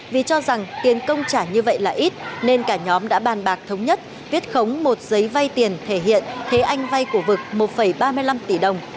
vì cho rằng tiền công trả như vậy là ít nên cả nhóm đã bàn bạc thống nhất viết khống một giấy vay tiền thể hiện thế anh vay của vực một ba mươi năm tỷ đồng